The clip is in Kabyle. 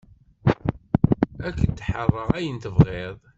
Ad k-d-ḥeṛṛeɣ ayen tebɣiḍ.